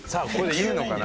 言うのかな？